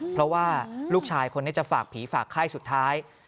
เพราะว่าลูกชายคนนี้จะฝากผีฝากไข้สุดท้าย